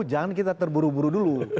jangan kita terburu buru dulu